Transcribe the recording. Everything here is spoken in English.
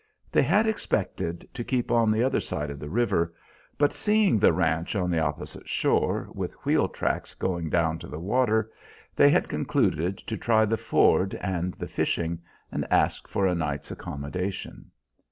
They had expected to keep on the other side of the river, but seeing the ranch on the opposite shore, with wheel tracks going down to the water, they had concluded to try the ford and the fishing and ask for a night's accommodation.